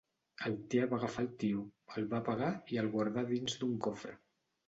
Altea va agafar el tió, el va apagar i el guardà dins d'un cofre.